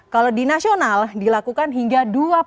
kalau di nasional dilakukan hingga dua puluh maret terakhir